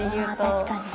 確かに。